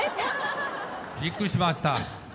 びっくりしました。